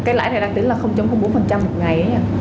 cái lãi này đang tính là bốn một ngày ấy